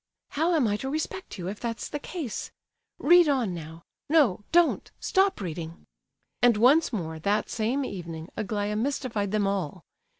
"How am I to respect you, if that's the case? Read on now. No—don't! Stop reading!" And once more, that same evening, Aglaya mystified them all.